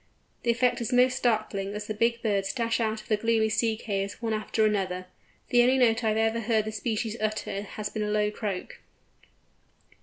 The effect is most startling as the big birds dash out of the gloomy sea caves one after the other. The only note I have heard this species utter has been a low croak.